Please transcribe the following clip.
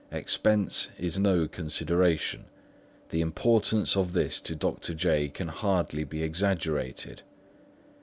Expense is no consideration. The importance of this to Dr. J. can hardly be exaggerated."